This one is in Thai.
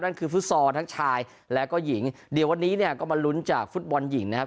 นั่นคือฟุตซอลทั้งชายแล้วก็หญิงเดี๋ยววันนี้เนี่ยก็มาลุ้นจากฟุตบอลหญิงนะครับ